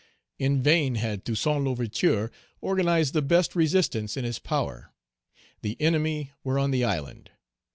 In vain had Toussaint L'Ouverture Page 170 organized the best resistance in his power. The enemy were on the island.